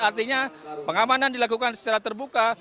artinya pengamanan dilakukan secara terbuka